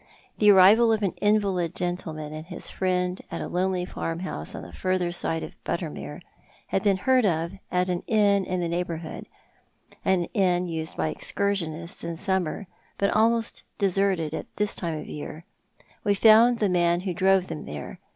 Tlie arrival of an invalid gentleman and his friend at a lonely farmhouse on the further side of Buttermere had been heard of at an inn in the neighbourhood— an inn used by excursionists in summer, but almost deserted at this time of the year. We found the man who drove them there.